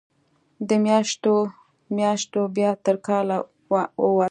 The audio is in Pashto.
د میاشتو، میاشتو بیا تر کال ووته